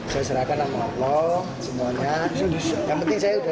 saya serahkan sama allah semuanya